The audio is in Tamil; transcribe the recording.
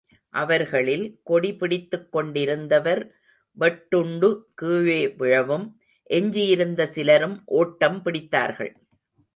அவர்களில் கொடி பிடித்துக் கொண்டிருந்தவர் வெட்டுண்டு கீழே விழவும், எஞ்சியிருந்த சிலரும் ஓட்டம் பிடித்தார்கள்.